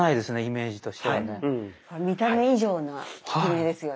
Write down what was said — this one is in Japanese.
見た目以上な効き目ですよね。